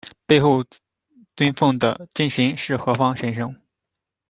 背后遵奉的真神是何方神圣？